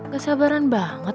gak sabaran banget